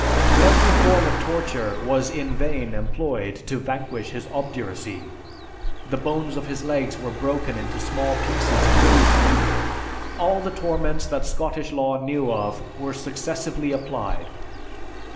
Every form of torture was in vain employed to vanquish his obduracy; the bones of his legs were broken into small pieces in the boot. All the torments that Scottish law knew of were successively applied.